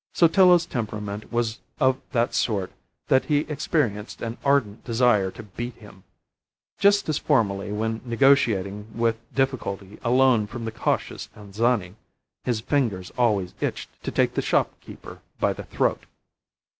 Sotillo's temperament was of that sort that he experienced an ardent desire to beat him; just as formerly when negotiating with difficulty a loan from the cautious Anzani, his fingers always itched to take the shopkeeper by the throat.